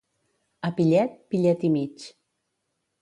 A pillet, pillet i mig.